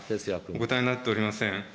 お答えになっておりません。